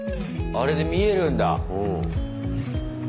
あれで見えるんだ。